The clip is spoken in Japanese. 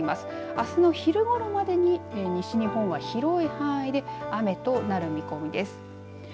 あすの昼ごろまでに西日本は広い範囲で雨となる見込みです。